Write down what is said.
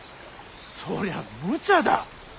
そりゃむちゃだ。